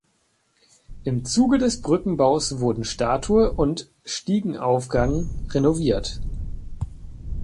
Im Zuge des Brückenbaus wurden Statue und Stiegenaufgang renoviert.